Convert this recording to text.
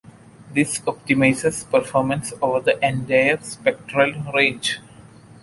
This optimizes performance over the entire spectral range.